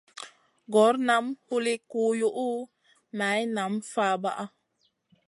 Gor nam huli kuyuʼu, maï nam fabaʼa.